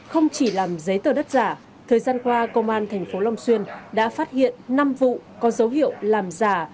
không chỉ làm giấy tờ đất giả thời gian qua công an thành phố long xuyên đã phát hiện năm vụ có dấu hiệu làm giả